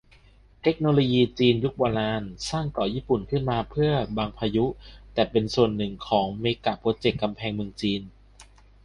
เทคโนโลยีจีนยุคโบราณ สร้างเกาะญี่ปุ่นขึ้นมาเพื่อบังพายุ เป็นส่วนหนึ่งของเมกะโปรเจกต์กำแพงเมืองจีน